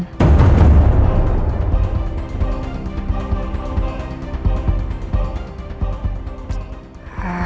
pas malam malam selesai